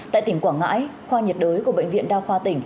tại tỉnh quảng ngãi khoa nhiệt đới của bệnh viện đa khoa tỉnh